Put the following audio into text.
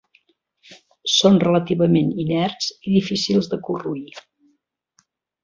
Són relativament inerts i difícils de corroir.